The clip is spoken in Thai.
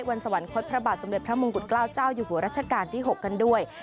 สวรรคตพระบาทสมเด็จพระมงกุฎเกล้าเจ้าอยู่หัวรัชกาลที่๖กันด้วย